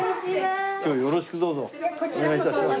今日はよろしくどうぞお願い致します。